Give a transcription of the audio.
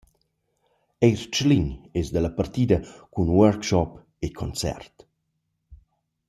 Eir Tschlin es da la partida cun workshop e concert.